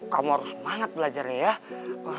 kamu harus semangat belajarnya ya